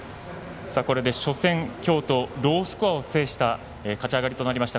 これで初戦、今日とロースコアを制した勝ち上がりとなりました。